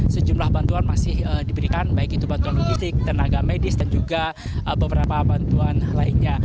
sejumlah bantuan masih diberikan baik itu bantuan logistik tenaga medis dan juga beberapa bantuan lainnya